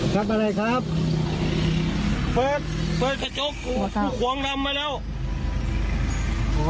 ทำอะไรครับเปิดเปิดกระจกของลำมาแล้ว